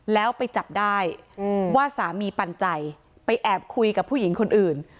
แล้วไปจับได้ว่าสามีปันใจไปแอบคุยกับผู้หญิงคนอื่น